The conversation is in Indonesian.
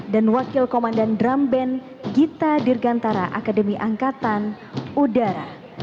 dan wakil komandan drum band gita dirgantara akademi angkatan udara